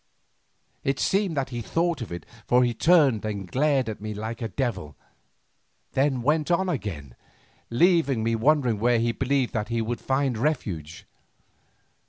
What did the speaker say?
It seemed that he thought of it, for he turned and glared at me like a devil, then went on again, leaving me wondering where he believed that he would find refuge.